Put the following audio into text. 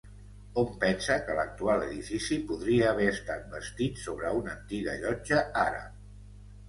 Hom pensa que l'actual edifici podria haver estat bastit sobre una antiga llotja àrab.